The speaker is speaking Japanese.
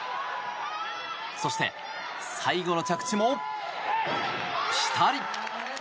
そして、最後の着地もぴたり！